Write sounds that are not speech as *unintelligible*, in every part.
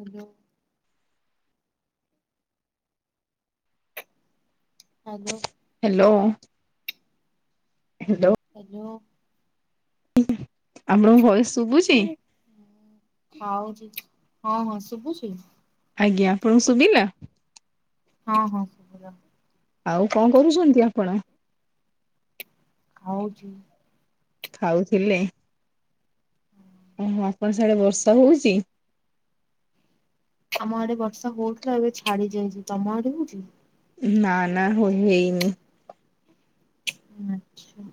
ଏ ଯୋଉ hello. Hello. Hello. ଏ ଯୋଉ ଆମଣଙ୍କ ଭଏସ୍‌ ଶୁଭୁଛି? ହୁଁ ଖାଉଛି ହଁ ହଁ ଶୁଭୁଛି। ଆଜ୍ଞା ଆପଣଙ୍କୁ ଶୁବିଲା? ହଁ ହଁ ସୁଭିଲା। ଆଉ କଣ କରୁଛନ୍ତି ଆପଣ? ଖାଉଛି। ଖାଉଥିଲେ ଓହୋ ଆପଣ ସାଡ଼େ ବର୍ଷା ହୋଉଛି? ଆମ ଆଡ଼େ ବର୍ଷା ହୋଉଥିଲା ଏବେ ଛାଡି ଯାଇଛି। ତମ ଆଡ଼େ ହଉଛି? ନାଁ ନାଁ ହୋଇ ହେଇନି। ହୁଁ ଆଚ୍ଛା।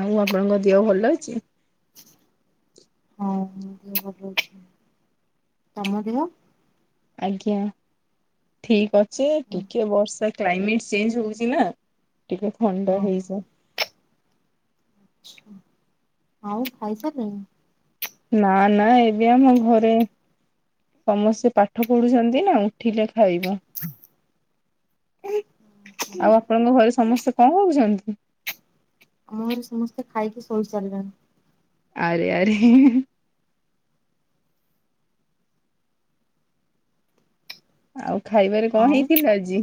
ଆଉ ଆପଣଙ୍କ ଦେହ ଭଲ ଅଛି? ହଁ ମୋ ଦେହ ଭଲ ଅଛି। ତମ ଦେହ? ଆଜ୍ଞା ଠିକ୍ ଅଛି ହଁ। ଟିକେ ବର୍ଷା କ୍ଲାଇମେଟ୍ ଚେଞ୍ଜ୍ ହଉଛି ନାଁ। ଟିକେ ଥଣ୍ଡା ହେଇସା। ଛୁଁ ଆଉ ଖାଇସାରିଲେଣି? ନାଁ ନାଁ ଏବେ ଆମ ଘରେ ସମସ୍ତେ ପାଠ ପଢ଼ୁଛନ୍ତି ନାଁ ଆଉ। ଠିଲେ ଖାଇବୁ। ଆଉ ଆପଣଙ୍କ ଘରେ ସମସ୍ତେ କଣ ଭାବୁଛନ୍ତି? ଆମ ଘରେ ସମସ୍ତେ ଖାଇକି ଶୋଇସାରିଲେଣି। ଆରେ ଆରେ ଆଉ ଖାଇବାରେ କ, ଣ ଆଉ ହେଇଥିଲା ଆଜି?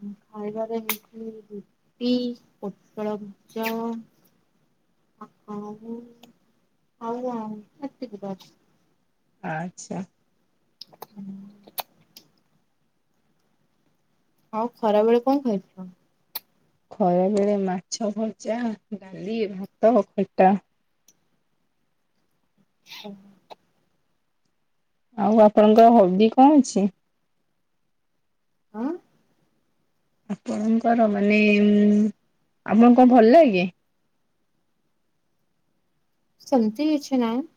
ହୁଁ ଖାଇବାରେ ହେଇଛି ରୁଟି ପୋଟଳ ଭଜା। ଆଉ କଣ ଏତିକି ତ ଅଛି। ଆଚ୍ଛା। ହୁଁ। ଆଉ ଖରା ବେଳେ କଣ ଖାଇଥିଲ? ଖରା ବେଳେ ମାଛ ଭଜା ଡ଼ାଲି ଭାତ ଖଟା। ହୁଁ। ଆଉ ଆପଣଙ୍କ ହବି କଁ ଅଛି? ଅଁ? ଆପଣଙ୍କର ମାନେ ଉଁ ଆପଣ କଁ ଭଲ ଲାଗେ? ସେମତି ଇଛି ନାହିଁ।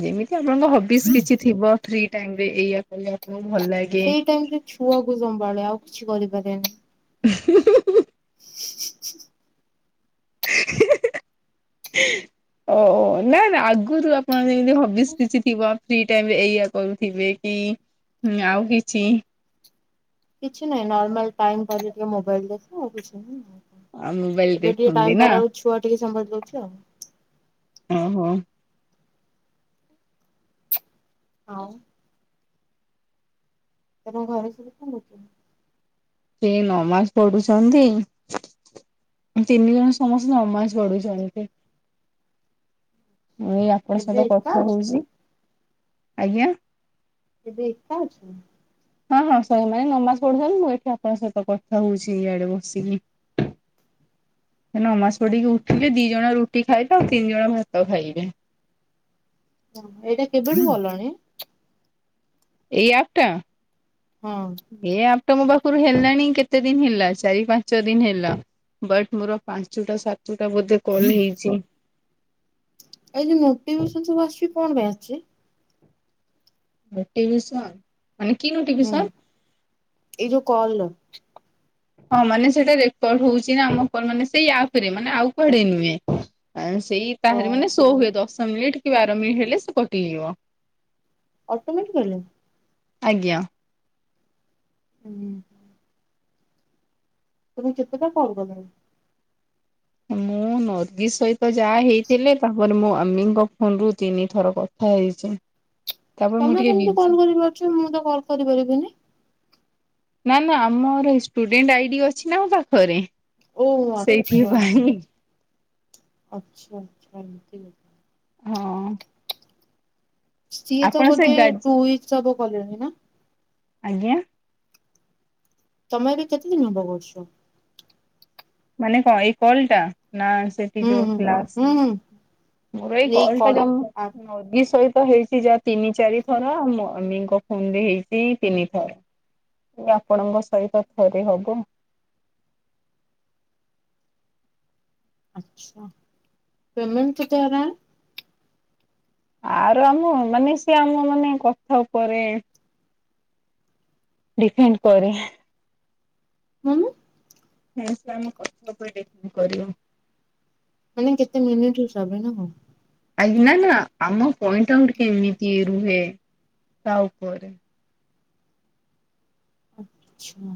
ଯେମିତି ଆପଣଙ୍କ ହବିସ୍ କିଛି ଥିବ ଫ୍ରି ଟାଇମ୍ ରେ ଏଇଆ କଲେ ଆପଣୁ ଭଲ ଲା ସେଇ ଟାଇମ୍ ରେ ଛୁଆକୁ ସମ୍ଭାଳେ ଆଉ କିଛି କରିପାରେନି। *inaudible* *inaudible* *inaudible* ଓ ଓ ନାଁ ନାଁ ଆଗୁରୁ ଆପଣ ଯେମିତି ହବିସ୍ କିଛି ଥିବ ଫ୍ରି ଟାଇମ ରେ ଏଇଆ କରୁଥିବେ କି ହୁଁ ଆଉ କିଛି କିଛି ନାହିଁ ନର୍ମାଲ ଟାଇମ୍ ପରେ ଟିକେ ମୋବାଇଲ୍ ଦେଖୁ କିଛି ନାହିଁ। ମୋବାଇଲ ଏବେ ଟିଏ ଦେଖନ୍ତି ଟାଇମ୍ ନା ପାଇଲା ଅଳୁକୁ ଛୁଆ ଟିକେ ସମ୍ଭାଳି ଦୋଉଛି ଆଉ। ଅଁ ହଁ। ଆଉ? ଏବଂ ଘରେ ଶୋଇଥିଲେ କି? ସେ ନମାସ ପଢ଼ୁଛନ୍ତି। ତିନି ଜଣ ସମସ୍ତେ ନମାଜ ପଢୁଛନ୍ତି ଏଆ ପଣ ଏବେ ସହିତ ଏକା କଥା ଅଛ ହୋଉଚି। ଆଜ୍ଞା? ଏବେ ଏକା ଅଛ? ହଁ ହଁ ସବୁ ନାଇଁ ନମାଜ ପଢୁଛନ୍ତି ମୁଁ ଏଠି ଆପଣ ସହିତ କଥା ହୋଉଛି ଇଆଡ଼େ ବସିକି। ହେ ନମାଜ ପଢ଼ିକି ଉଠିଲେ ଦି ଜଣ ରୁଟି ଖାଇବେ ଆଉ ତିନି ଜଣ ଭାତ ଖାଇବେ। ଏଇଟା କେବେଠୁ କଲଣି? ଏଇ ଆପଟା? ହଁ। ଏ ଆପଟା ମୋ ପାଖୁରୁ ହେଲାଣି କେତେ ଦିନ ହେଲା ଚାରି ପାଞ୍ଚ ଦିନ ହେଲା‌। ବଟ୍ ମୋର ପାଞ୍ଚୁଟା ସାତୁଟା ବୋଧେ କଲ ହେଇଚି। ଏଇ ଯେ ନୋଟିଭେସନ୍ ସବୁ ଆସୁଚି କଣ ପାଇଁ ଆସୁଚି? ନୋଟିଭିସନ୍ ମାନେ କି ହୁଁ ନୋଟିଭିସନ୍? ଏଇ ଯୋଉ କଲ୍। ହଁ ମାନେ ସେଇଟା ରେକର୍ଡ ହୋଉଚି ନା ଆମ କ ମାନେ ସେଇ ଆପ୍ ରେ ମାନେ ଆଉ କୁଆଡେ ନୁଏଁ ଆଁ ସେଇ ତାହାରି ମାନେ ସୋ ହୁଏ ଦଶ ମିନିଟ୍ କି ବାର ମିନି ହେଲେ ସେ କଟିଯିବ। ଅଟୋମେଟିକାଲି? ଆଜ୍ଞା‌। ଉଁ ତମେ କେତେଟା କଲ୍ କଲଣି? ଏ ମୁଁ ନର୍ଗୀ ସହିତ ଯାହା ହେଇଥିଲେ ତାପରେ ମୋ ଆମିଙ୍କ ଫୋନ ରୁ ତିନି ଥର କଥା ହେଇଚି। *unintelligible* ତମେ କେମତି କଲ୍ କରିପାରୁଚ ମୁଁ ତ କଲ କରିପାରିବିନି? ନାଁ ନାଁ ଆମର ଷ୍ଟୁଡେଣ୍ଟ ଆଇଡି଼ ଅଛି ନା ମୋ ପାଖରେ ଓ ଆଚ୍ଛା। ସେଇଥିପାଇଁ। ଆଚ୍ଛା ଏମିତି। ହଁ। ସିଏ ତ ଆପଣ ସେ ବୋଧେ ଗାଜ ଟୁ ଉଇକସ୍ ହବ କଲେଣି ନାଁ? ଆଜ୍ଞା। ତମେ ଏବେ କେତେ ଦିନ ହବ କରୁଛ? ମାନେ କଣ ଏଇ କଲଟା ନା ସେ ଠିଉ୍ ହୁଁ ହୁଁ ହୁଁ ହୁଁ ହୁଁ *unintelligible* ଏଇ କଲ୍ ଆପ୍ ମଦି ସହିତ ହେଇଛି ଯାହା ତିନି ଚାରି ଥର ଆଉ ମମିଙ୍କ ଫୋନ ରେ ହେଇଛି ତିନି ଥର। ଆପଣଙ୍କ ସହିତ ଥରେ ହବ। ଆଚ୍ଛା ପେମେଣ୍ଟ କେତେ ହୋଗା? ଆର ଆମ ମାନେ ସି ଆମ ମାନେ କଥା ଉପରେ। ଡିଫେଣ୍ଡ କରେ। ମାମୁଁ। ଏସ ଆମ କଥା ଉପରେ ଦେଖି କରିବ। ମାନେ କେତେ ମିନିଟ୍ ହିସାବରେ ନା କଣ। ଆଜ୍ଞ ନା ନା ଆମ ପଏଣ୍ଟ ଆଉଟ କେମିତି ରୁହେ ତା ଉପରେ। ଆଚଛା।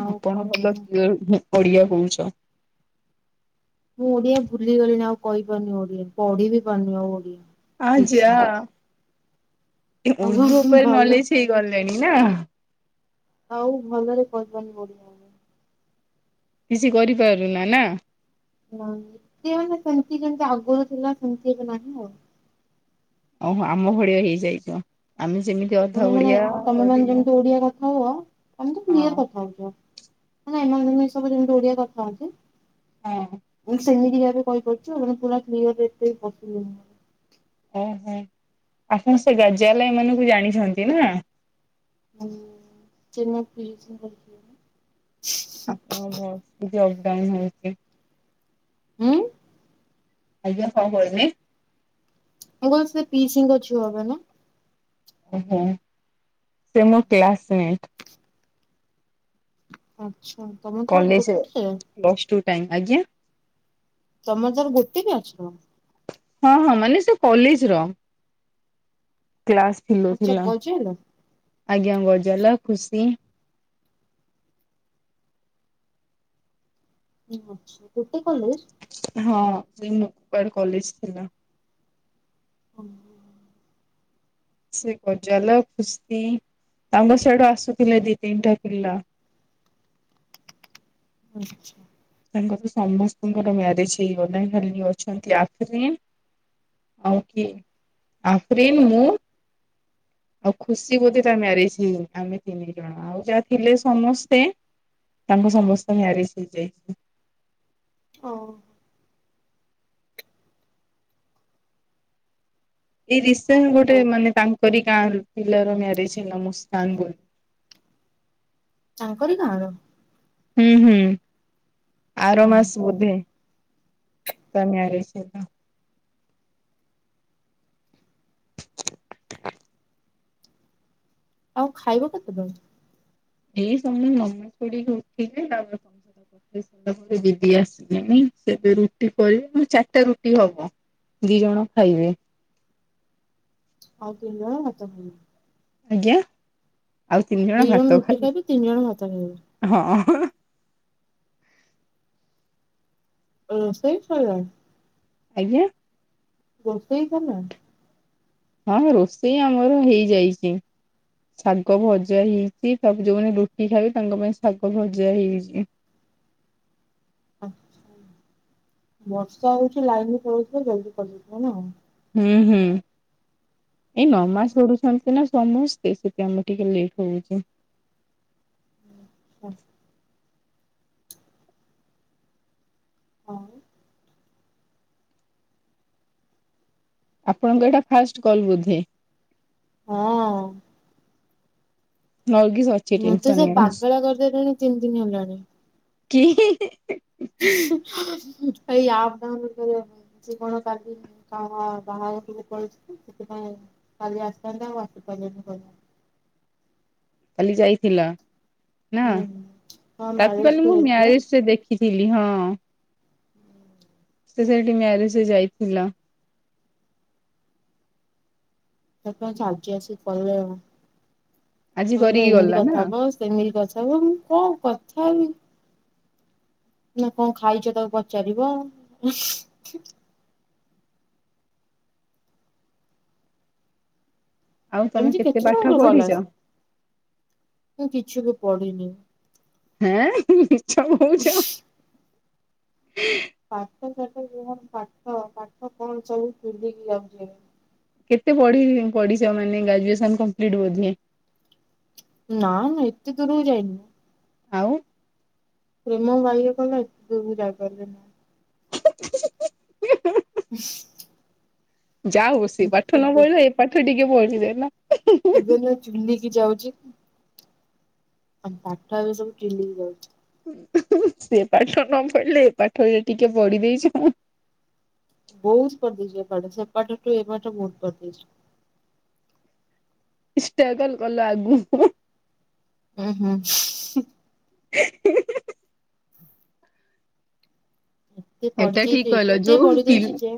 ଆଉ କଣ ଆପଣ ଭଲ କୁହ? କିୟର ଓଡିଆ କହୁଛ? ମୁଁ ଓଡିଆ ଭୁଲିଗଲିଣି ଆଉ କହିପାରୁନି ଓଡିଆ ପଢି ବି ପାରୁନି ଆଉ ଓଡିଆ। ଠିକ୍ ସେ ଆଜା ଆଉ ଉର୍ଦ୍ଦୁ ଉପରେ ଭଲ ନଲେଜ ହେଇଗଲେଣି ନା। ଆଉ ଭଲରେ କହିପାରୁନି ଓଡ଼ିଆ। କିଛି କରିପାରୁନା ନା। ହ ସେ ମାନେ ସେମିତି କେମିତି ଆଗରୁ ଥିଲା ସେମିତି ଏବେ ନାହିଁ ଆଉ। ଓହୋ ଆମ ଭଳିଆ ହେଇଯାଇଛ ଆମେ ଯେମିତି। ଅଧା ତମେମାନେ ଓଡିଆ ତମେ ହଁ ମାନେ ଯେମିତି ଓଡିଆ କଥା ହୁଅ ତମେ ତ କ୍ଲିୟର ହଁ କଥା ହଉଛ। ନା ଏମାନ ସବୁ ଯେମିତି ଓଡିଆ କଥା ହୁଅନ୍ତି ହଁ। ସେମିତି ଭାବେ କହିପାରୁଛୁ ମାନେ ପୁରା କ୍ଲିୟର ରେ ଏତେବି କହୁଥିଲେ। ଓହୋ ଆପଣ ସେ ଗାଜଲା ଏମାନାନଙ୍କୁ ଜାଣିଛନ୍ତି ନା? ଯ ମ ପ୍ରିୟଲ *unintelligible* ଆଛି ଅପଡାଉନ ହଉଛି *unintelligible* ଉଁ। ଆଜ୍ଞା କଅଁ କହିଲେ? ମୁଁ କହିଲି ସେ ପିଇସୀଙ୍କ ଝିଅ ହେବେନା? ଓହୋ ସେ ମୋ କ୍ଲାସମେଟ। ଆଚ୍ଛା ତମେ ତ କଲେଜ ଗୋଟିଏ। ପ୍ଲସ ଟୁ ଟାଇମ ଆଜ୍ଞା। ତମର ତାର ଗୋଟେ ବ୍ୟାଚର? ହଁ ହଁ ମାନେ ସେ ପାଲିସିର। କ୍ଲାସ ଫୁଲ ଆଚ୍ଛା ଥିଲା ଗଜେଲ ଆଜ୍ଞା ଗଜାଲା ଖୁସି। ଉଁ ହଁ ଡିପି କଲେଜ। ହଁ ସେ ମୁପଡ କଲେଜ ଥିଲା। ହୁଁ। ସେ ଗଜାଲ ଖୁସି ତାଙ୍କ ସେଆଡୁ ଆସୁଥିଲେ ଦି ତିନିଟା ପିଲା। ଆଚ୍ଛା। ତାଙ୍କର ସମସ୍ତଙ୍କର ମ୍ୟାରେଜ ହେଇ ଗଲାଣି ଖାଲି ଅଛନ୍ତି ଆଫ୍ରନ୍‌। ଆଉ କିଏ ଆଫ୍ରନ୍ ମୁଁ ଆଉ ଖୁସି ବୋଧେ ତା ମ୍ୟାରେଜ ହେଇନି ଆମେ ତିନି ଜଣ। ଆଉ ଯାହା ଥିଲେ ସମସ୍ତେ ତାଙ୍କ ସମସ୍ତେ ମ୍ୟାରେଜ୍ ହେଇଯାଇଛି ହଁ ଏଇ ରିସେଣ୍ଟ ଗୋଟେ ମାନେ ତାଙ୍କରି ଗାଁ ର ପିଲାର ମ୍ୟାରେଜ୍ ହେଲା ମୁସ୍କାନ ବୋଲି ତାଙ୍କରି ଗାଁ ର ହୁଁ ହୁଁ ଓ ଆର ମାସ ବୋଧେ ତା ମ୍ୟାରେଜ୍ ହେଲା ସୁ ସୁ ଆଉ ଖାଇବ କେତେବେଳେ ଏଇ ସମୟ ମନେ ପଡିକି ଉଠିଲେ ତା ଖାଇସାରିବଲା ପରେ ଦିଦି ଆସିଲେଣି ସେ ଏବେ ରୁଟି କରିବେ ପୁଣି ଚାରିଟା ରୁଟି ହବ ଦି ଜଣ ଖାଇବେ ଆଉ ତିନି ଜଣ ଭାତ ଖାଇବେ ଆଜ୍ଞା ଆଉ ତିନି ଜଣ ଦି ଭାତ ରୁଟି ଖାଇବେ ତିନି ଜଣ ଭାତ ଖାଇବେ ହଁ ରୋଷେଇ ସରିଲାଣି ଆଜ୍ଞା ରୋଷେଇ ସରିଲାଣି ହଁ ରୋଷେଇ ଆମର ହେଇଯାଇଛି ଶାଗ ଭଜା ହେଇଛି ତାପରେ ଯୋଉମାନେ ରୁଟି ଖାଇବେ ତାଙ୍କ ପାଇଁ ଶାଗ ଭଜା ହେଇଯାଇଛି ଆଛା ବର୍ଷା ହେଉଛି ଲାଇନି ପଳୋଉଥିବ ଜଲ୍ଦି କରିଦେଉଥିବ ନା ହୁଁ ହୁଁ ଏଇ ନମାସ ପଡୁଚନ୍ତି ନା ସମସ୍ତ ହେ ସେ କାମ ଟିକେ ଲେଟ୍ ହଉଚି ହଁ ହଁ ଆପଣଙ୍କ ଏଇଟା ଫାଷ୍ଟେ କଲ୍ ବୋଧେ ହଁ ନଗିସନ୍ ମତେ ସେ ପାଗଳା କରିଦେଲେଣି ତିନି ଦିନି ହେଲାଣି କିଏ ଏଇ ଆପ୍ ଡାଉଁଲୋଡ୍ କରିବା ପାଇଁ ସେ କଣ କାଲି କଣ ବାହାହେଇକି ପଳେଇଛି ସେଥିପାଇଁ କାଲି ଆସିଥାନ୍ତେ ଆଉ ଆସିପାରିଲେନି କାଲି ଯାଇଥିଲା ନା ହୁଁ ହଁ ତାକୁ ମ୍ୟାରେଜ କୁ କାଲି ମୁଁ ଯାଇଥିଲେ ମ୍ୟରେଜେ ରେ ଦେଖି ଦେଖିଥିଲି ହଁ ସେ ସେଇଠି ମ୍ୟାରେଜ୍ ରେ ଯାଇଥିଲା ତା କଣ ସାଜି ଆସି କଲେ ଆଜି କହିଲେ କରିକି ଏମିତି ଗଲା ନା କଥା ବସ୍ କେମିତି କଥା ହୁଏ ମୁଁ କଣ କଥା ହେବି ସିଏ କଣ ଖାଇଚ ତାକୁ ପଚାରିବ ଆଉ ତମେ ଏମିତି କେତେ ପାଠ ଜଣଙ୍କର କଲ୍ ପଢ଼ିଚ ଆସେ। ମୁଁ କିଛି ବି ପଢିନି ହଁ ମିଛ କହୁଚ ପାଠ ସାଠ ପାଠ ପାଠ କଣ ସବୁ ବୁଲିକି ଯାଉଛେ କେତେ ପଢିଛ ମାନେ ଗ୍ରାଜୁଏସନ୍ କମ୍ପିଟି ବୋଧେ ନା ମୁଁ ଏତେ ଦୂରକୁ ଯାଇନି ଆଉ ପ୍ରେମ ବାଇଆ କଲା ଏତେ ବି ଯାଇପାରିଲିନି ଯାହା ହଉ ସେ ପାଠ ଏତେ ନ ଦୂ ପଢିଲ ଏ ପାଠ ଟିକେ ପଢିଦେଲ। ଏବେ ନା ଚୂଲିିକି ଯାଉଚି। ଆ ପାଠ ଏବେ ସବୁ ଚୂଲିକି ଯାଉଚି। ସେ ପାଠ ନ ପଢିଲେ ଏ ପାଠରେ ଟିକେ ପଢି ଦେଇଚି। ବହୁତୁ ପଢ଼ିଦେଇଚି ଏପାଠ ସେପାଠ କି ଏ ପାଠ ବହୁତୁ ପଢିଦେଇଚି। ଷ୍ଟଗଲ୍ ଗଲା ଆଗୁକୁ ଉଁ ହୁଁ। *unintelligible* ଏତେ ଏଇଟା ଠିକ୍ ପଢିଯାଇଛି କହିଲ, ଏତେ ଯୋଉ ପି ପଢିଦେଇଛି ଯେ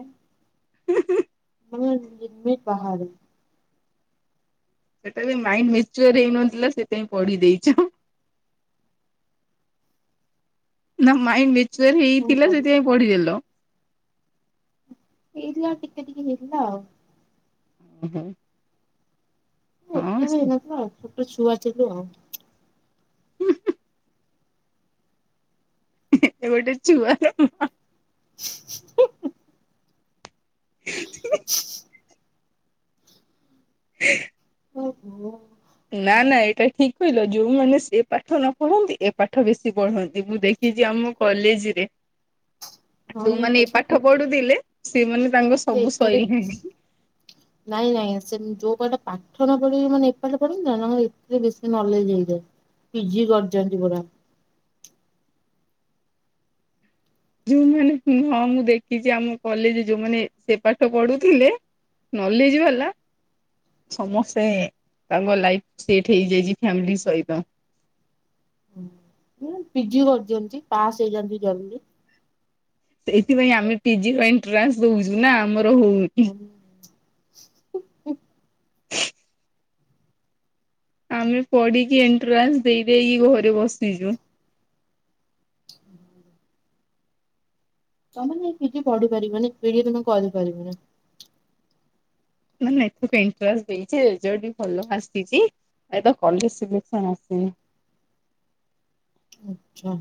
ମାନେ ଲିମିଟି ବାହାରେ। ସେଟା ବି ମାଇଣ୍ଡି ମିଚ୍ୟୁରି ହେଇନଥିଲା, ସେଥିପାଇଁ ପଢି ଦେଇଚ। ନା ମାଇଣ୍ଡି ମେଚ୍ୟାର କଣ ହେଇଥିଲା, କରିବି ସେଥିପାଇଁ ପଢିଦେଲ। ହେଇଥିଲା ଟିକେ-ଟିକେ ହେଇଥିଲା ଆଉ। ହଁ ଏତେ ବି *unintelligible* ହେଇନଥିଲା ଛୋଟ ଛୁଆ ଥିଲୁ ଆଉ। ଏ ଗୋଟେ ଛୁଆ ର ଓହୋ। ନା-ନା ଏଇଟା ଠିକ୍ କହିଲ, ଯୋଉମାନେ ସେ ପାଠ ନ ପଢନ୍ତି ଏ ପାଠ ବେଶୀ ପଢନ୍ତି, ମୁଁ ଦେ ଖିଚି ଆମ କଲେଜ୍ ରେ। ହଁ ଯୋଉମାନେ ଏଇ ପାଠ ପଢୁଥିଲେ ସେମାନେ ତାଙ୍କ ସବୁ ଶଇଲାଣି। ନାଇଁ-ନାଇଁ ସେ ଯୋଉ *unintelligible* ପାଠ ନ ପଢିକି ମାନେ ଏପଟ ପଢନ୍ତି ନା *unintelligible* ବେଶୀ ନଲେଜ୍ ହେଇଯାଏ। ପିଜି କରିଚନ୍ତି ପୁରା। ଯୋଉମାନେ ହଁ ମୁଁ ଦେଖିଚି ଆମ କଲେଜ୍ ଯୋଉମାନେ ସେ ପାଠ ପଢୁଥିଲେ ନଲେଜ୍ ବାଲା ସମସ୍ତେ ତାଙ୍କ ଲାଇଫି ସେଠ୍ ହେଇଯାଇଚି ଫ୍ୟାମିଲି ସହିତ। ପିଜି କରିଦିଅନ୍ତି ପାସ୍ ହେଇଯାନ୍ତି ଜଲ୍ଦୀ। ସେଇଥିପାଇଁ ଆମେ ପିଜି ପାଇଁ ଏଣ୍ଟ୍ରାନ୍ସ ଦଉଚି ନା ଆମର ହଉନି। ହୁଁ। ଆମେ ପଢିକି ଏଣ୍ଟ୍ରାନ୍ସ ଦେଇ ଦେଇକି ଘରେ ବସିଚୁ। *inaudible* ତମେ ମାନେ ପିଜି ପଢି ପାରିବନି *unintelligible* ତମେ କରିପାରିବନି। ନା-ନା ଏକୁ ଏନ୍ଟ୍ରାନ୍ସ୍ ଦେଇଚି ରେଜଲ୍ଟ ବି ଭଲ ଆସିଚି। ଏ ତ କଲେଜ୍ ସିଲେକ୍ସନ୍ ଆସେ। ଆଚ୍ଛା।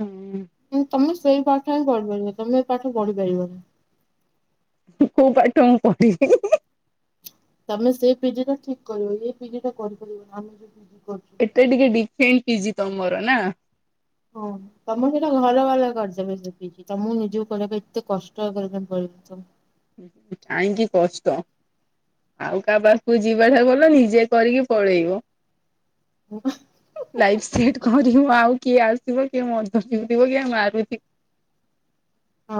ହୁଁ। ତମେ ସେଇ ପାଠ ହିଁ ପଢିପାରିବ ତମେ ଏଇ ପାଠ ପଢିପାରିବନି। କୋଉ ପାଠ ମୁଁ *unintelligible* ତମେ ସେଇ ପିଜି ଟା ଠିକ୍ କରିବ, ଏଇ ପିଜି ଟା କରିପାରିବନି ଆମେ ଯୋଉ ପିଜି କରୁଚୁ। ଏତେ ଟିକେ *unintelligible* ପିଜି ତମର ନା? ହଁ। ତମର ସେଟା ଘର ବାଲା କରିଦେବେ ସେ କିଛି ତମକୁ ନିଜକୁ କରିବାକୁ ଏତେ କଷ୍ଟ *unintelligible* କାହିଁକି କଷ୍ଟ। ଆଉ କାହା ପାଖକୁ ଯିବା ଠାରୁ ଭଲ ନିଜେ କରିକି ପଳେଇବ। *unintelligible* ଲାଇଫ ସେଟ କରିବୁ ଆଉ କିଏ ଆସିବ କିଏ ମଦ ପିଉଥିବ କିଏ ମାରୁଥି ହଁ